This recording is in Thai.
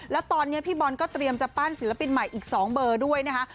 แล้วตอนนี้พี่บอลก็เตรียมจะปั้นศิลปินใหม่อีก๒เบอร์ด้วยนะคะ